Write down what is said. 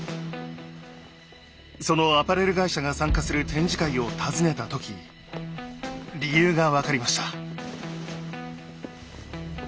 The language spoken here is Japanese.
そのアパレル会社が参加する展示会を訪ねた時理由が分かりました。